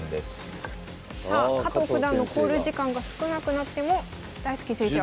さあ加藤九段の考慮時間が少なくなっても大介先生は。